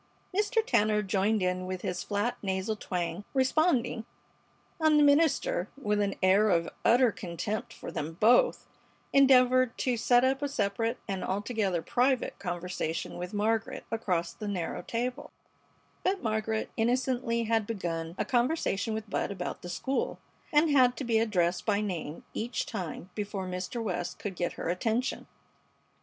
Mr. Tanner joined in with his flat, nasal twang, responding, and the minister, with an air of utter contempt for them both, endeavored to set up a separate and altogether private conversation with Margaret across the narrow table; but Margaret innocently had begun a conversation with Bud about the school, and had to be addressed by name each time before Mr. West could get her attention.